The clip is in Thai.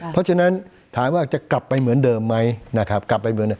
เพราะฉะนั้นถามว่าจะกลับไปเหมือนเดิมไหมนะครับ